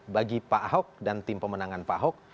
bagi pak ahok dan tim pemenangan pak ahok